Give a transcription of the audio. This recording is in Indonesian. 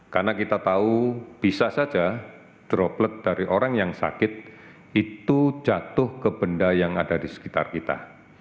karena kita tahu bisa saja droplet dari orang yang sakit itu jatuh ke benda yang ada di sekitar kita